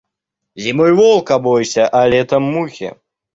Зимой волка бойся, а летом мухи.